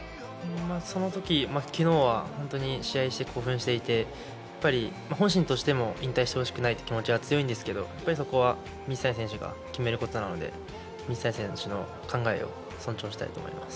その時、昨日は本当に試合をして興奮していてやっぱり本心としても引退してほしくないという気持ちも強いんですけど、そこは水谷選手が決めることなので水谷選手の考えを尊重したいと思います。